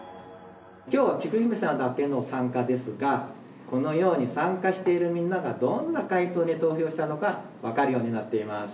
今日はきく姫さんだけの参加ですがこのように参加しているみんながどんな解答に投票したのかわかるようになっています。